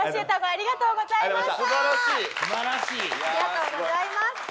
ありがとうございます。